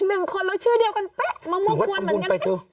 หนึ่งคนแล้วชื่อเดียวกันเป๊ะมะม่วงกวนเหมือนกัน